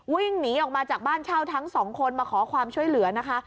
วิ่งหนีออกมาจากบ้านเช่าทั้งสองคนมาขอความช่วยเหลือนะคะ